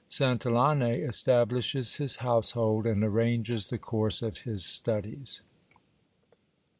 Santillane establishes his household, and arranges the course of his studies.